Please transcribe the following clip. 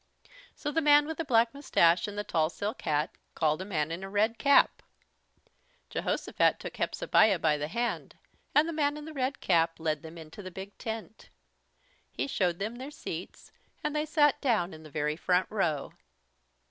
So the man with the black moustache and the tall silk hat called a man in a red cap. Jehosophat took Hepzebiah by the hand, and the man in the red cap led them into the big tent. He showed them their seats, and they sat down in the very front row.